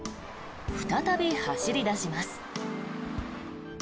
再び走り出します。